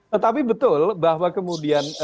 tetapi betul bahwa kemudian